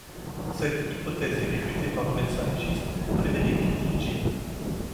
Cette hypothèse est réfutée par le médecin légiste Frederick Zugibe.